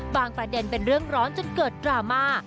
ประเด็นเป็นเรื่องร้อนจนเกิดดราม่า